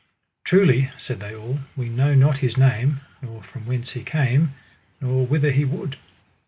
Truly, said they all, we know not his name, nor from whence he came, nor whither he would.